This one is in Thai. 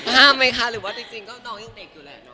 ห้ามไหมคะหรือว่าจริงก็นอกยกเด็กอยู่แล้วเนาะ